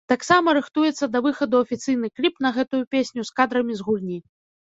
Таксама рыхтуецца да выхаду афіцыйны кліп на гэтую песню з кадрамі з гульні.